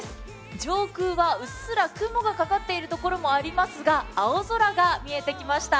上空はうっすら雲がかかっているところもありますが青空が見えてきました。